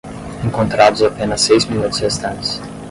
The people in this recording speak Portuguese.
Encontrados apenas seis minutos restantes